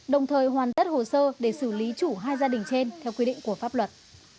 đồng thời hoàn tất hồ sơ để xử lý chủ hai gia đình trên theo quy định của pháp luật